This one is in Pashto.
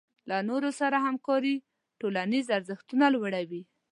له نورو سره همکاري ټولنیز ارزښتونه لوړوي.